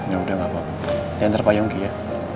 ya udah gak apa apa ya ntar pak yonggi ya